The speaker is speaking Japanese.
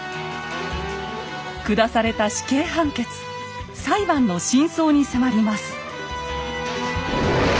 下された裁判の真相に迫ります。